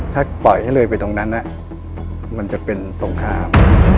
ถ้าปล่อยให้เลยไปตรงนั้นมันจะเป็นสงคราม